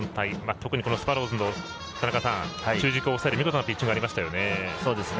特にスワローズの中軸を抑える見事なピッチングがありましたね。